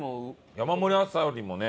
山盛りあさりもね。